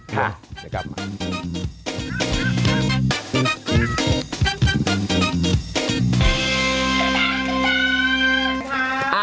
ค่ะจะกลับมา